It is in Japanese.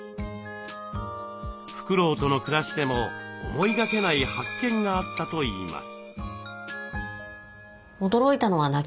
フクロウとの暮らしでも思いがけない発見があったといいます。